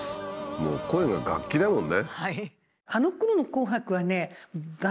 もう声が楽器だもんね。